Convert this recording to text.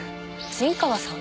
陣川さん？